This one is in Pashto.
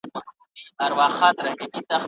موټروان وویل چي مستري په اوږه باندي ګڼ توکي راوړي.